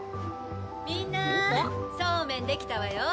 みんなそうめん出来たわよ。